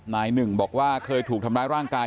นายหนึ่งบอกว่าเคยถูกทำร้ายร่างกาย